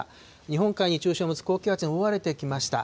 日本海に中心を持つ高気圧に覆われてきました。